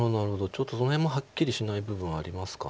ちょっとその辺もはっきりしない部分ありますか。